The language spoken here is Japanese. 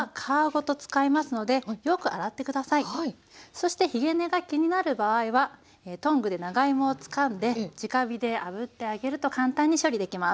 そしてひげ根が気になる場合はトングで長芋をつかんでじか火であぶってあげると簡単に処理できます。